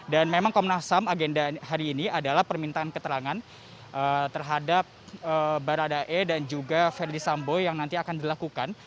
dan memang komnas ham agenda hari ini adalah permintaan keterangan terhadap baradae dan juga ferdis samboy yang nanti akan dilakukan